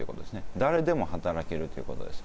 誰でも働けるということです。